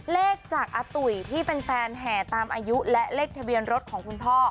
เลขจากอาตุ๋ยที่แฟนแห่ตามอายุและเลขทะเบียนรถของคุณพ่อ